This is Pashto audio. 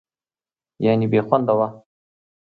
یعنې بېخونده وه.